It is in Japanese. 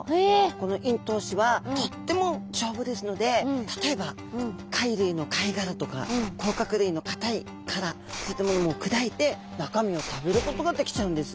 この咽頭歯はとっても丈夫ですので例えば貝類の貝殻とか甲殻類の硬い殻そういったものも砕いて中身を食べることができちゃうんです。